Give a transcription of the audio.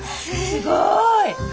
すごい。